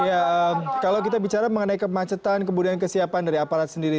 ya kalau kita bicara mengenai kemacetan kemudian kesiapan dari aparat sendiri